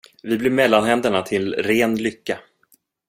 Vi blir mellanhänderna till ren lycka.